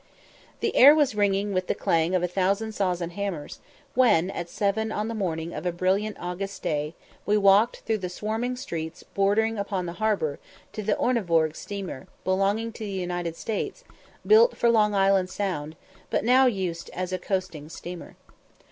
The air was ringing with the clang of a thousand saws and hammers, when, at seven on the morning of a brilliant August day, we walked through the swarming streets bordering upon the harbour to the Ornevorg steamer, belonging to the United States, built for Long Island Sound, but now used as a coasting steamer.